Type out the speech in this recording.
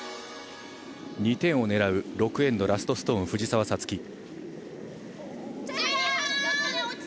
２点を狙う６エンドラストストーン、藤澤五月。